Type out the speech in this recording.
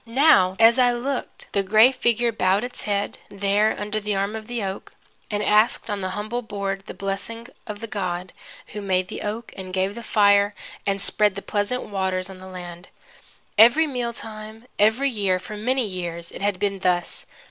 Now as I looked, the gray figure bowed its head, there, under the arm of the oak, and asked on the humble board the blessing of the God who made the oak, and gave the fire and spread the pleasant waters on the land. Every mealtime, every year, for many years, it had been thus.